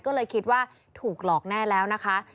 ก็เลยคิดว่าถูกหลอกแน่แล้วนะคะ